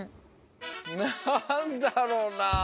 なんだろうな。